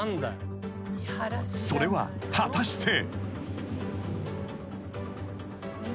［それは果たして］